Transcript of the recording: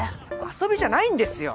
遊びじゃないんですよ！